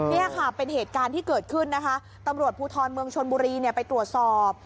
นี่ค่ะเป็นเหตุการณ์ที่เกิดขึ้นนะคะตำรวจภูทรเมืองชนบุรีไปตรวจสอบ